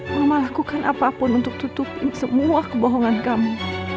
mama lakukan apapun untuk tutupin semua kebohongan kamu